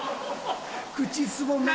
口すぼめ。